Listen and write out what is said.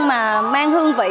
mà mang hương vị